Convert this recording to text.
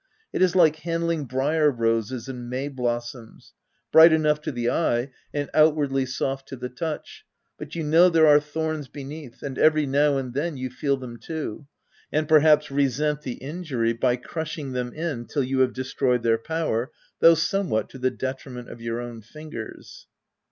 It is like handling briar roses and may blossoms — bright enough to the eye, and outwardly soft to the touch, but you know there are thorns beneath, and every now and then you feel them too ; and perhaps resent the injury by crushing them in till you have destroyed their power, though somewhat to the detriment of your own ringers.